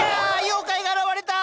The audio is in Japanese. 妖怪が現れた！